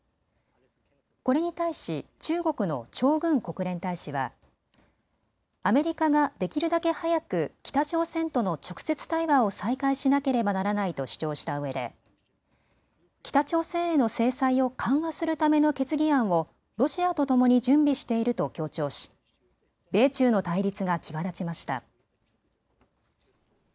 これに対し中国の張軍国連大使はアメリカができるだけ早く北朝鮮との直接対話を再開しなければならないと主張したうえで北朝鮮への制裁を緩和するための決議案をロシアとともに準備していると強調し米中の対立が際立ちました。